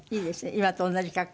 今と同じ格好。